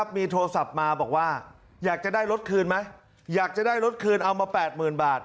มีโทรศัพท์มาบอกว่าอยากจะได้รถคืนไหมอยากจะได้รถคืนเอามา๘๐๐๐บาท